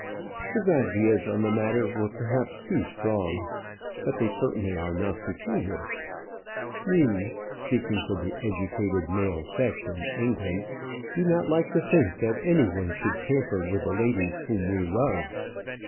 His ideas on the matter were perhaps too strong, but they certainly are not peculiar. We speaking for the educated male sex in England do not like to think that any one should tamper with the ladies whom we love.